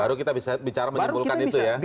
baru kita bisa bicara menyimpulkan itu ya